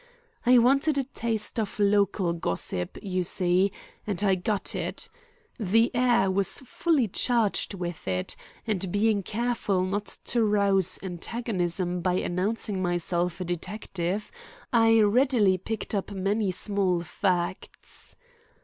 I wanted a taste of local gossip, you see, and I got it. The air was fully charged with it, and being careful not to rouse antagonism by announcing myself a detective, I readily picked up many small facts.